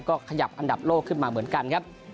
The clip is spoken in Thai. ก็ขยับอันดับโลกขึ้นมาเหมือนกันครับ